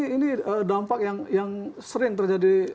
ini dampak yang sering terjadi